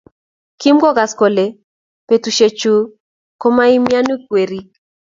Kimokugas kole betushe chuk koumianik weriik.